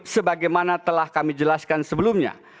sebagaimana telah kami jelaskan sebelumnya